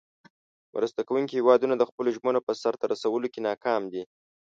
مرسته کوونکې هیوادونه د خپلو ژمنو په سر ته رسولو کې ناکام دي.